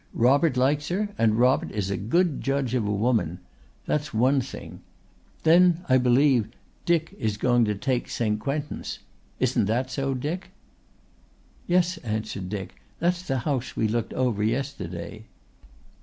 "Robert likes her and Robert is a good judge of a woman. That's one thing. Then I believe Dick is going to take St. Quentins; isn't that so, Dick?" "Yes," answered Dick. "That's the house we looked over yesterday."